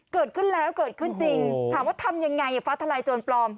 เกิดขึ้นแล้วเกิดขึ้นจริงถามว่าทำยังไงฟ้าทลายโจรปลอม